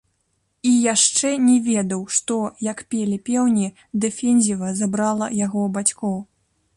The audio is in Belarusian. І яшчэ не ведаў, што, як пелі пеўні, дэфензіва забрала яго бацькоў.